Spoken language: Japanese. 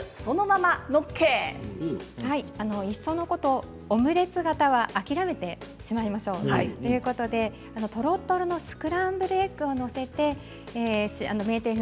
いっそのことオムレツ型は諦めてしまいましょうということでとろとろのスクランブルエッグをのせて名店風に仕上げます。